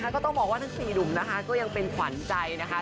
ก็ต้องบอกว่าทั้ง๔หนุ่มนะคะก็ยังเป็นขวัญใจนะคะ